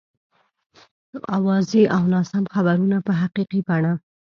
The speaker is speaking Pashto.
اوازې او ناسم خبرونه په حقیقي بڼه.